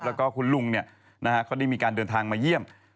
แล้วก็คุณลุงเขาได้มีการเดินทางมาเยี่ยม